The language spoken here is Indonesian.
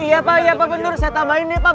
iya pak iya pak bener saya tambahin nih pak